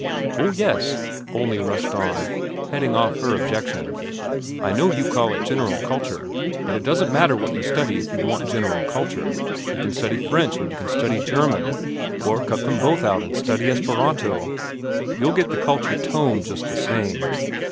"—Oh, yes," Olney rushed on, heading off her objection, "I know you call it general culture. But it doesn't matter what you study if you want general culture. You can study French, or you can study German, or cut them both out and study Esperanto, you'll get the culture tone just the same.